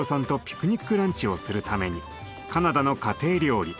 ピクニックランチをするためにカナダの家庭料理